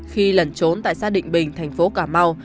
khi lẩn trốn tại xã định bình thành phố cà mau